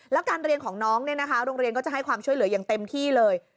แล้วการเรียนของน้องโรงเรียนก็จะให้ความช่วยเหลืออย่างเต็มที่เลย